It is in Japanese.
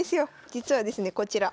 実はですねこちら。